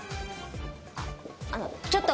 あっあのちょっと！